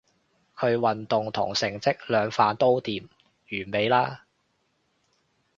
佢運動同成績兩瓣都掂，完美啦